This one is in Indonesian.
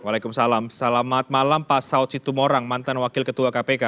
waalaikumsalam selamat malam pak saud situmorang mantan wakil ketua kpk